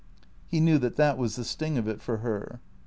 He knew that that was the sting of it for her.